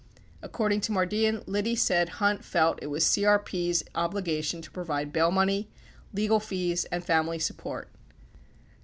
According to Mardian, Liddy said Hunt felt it was CRP's obligation to provide bail money, legal fees and family support.